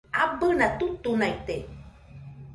Abɨna tutunaite